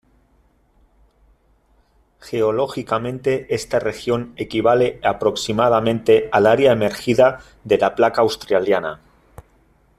Geológicamente, esta región equivale aproximadamente al área emergida de la placa australiana.